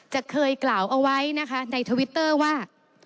จะเคยกล่าวเอาไว้นะคะในทวิตเตอร์ว่า